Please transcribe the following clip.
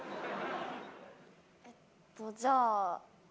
えっとじゃあ。